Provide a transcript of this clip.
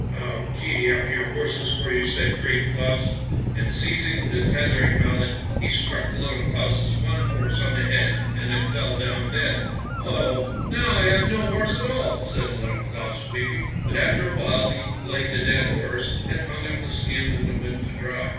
"" I'll gee up your horses for you," said Great Claus, and seizing the tethering mallet he struck Little Claus' one horse on the head, and it fell down dead. " Oh, now I have no horse at all," said Little Claus, weeping. But after a while he flayed the dead horse, and hung up the skin in the wind to dry.